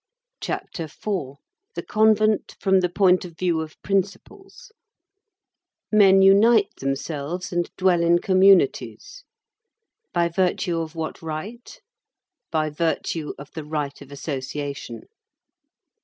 CHAPTER IV—THE CONVENT FROM THE POINT OF VIEW OF PRINCIPLES Men unite themselves and dwell in communities. By virtue of what right? By virtue of the right of association.